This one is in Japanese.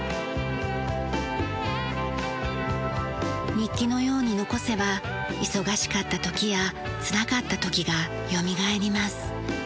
日記のように残せば忙しかった時やつらかった時がよみがえります。